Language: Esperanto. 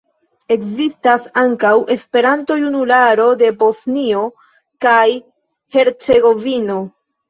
Ekzistas ankaŭ "Esperanto-Junularo de Bosnio kaj Hercegovino".